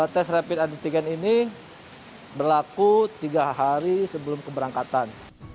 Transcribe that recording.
tes rapid antigen ini berlaku tiga hari sebelum keberangkatan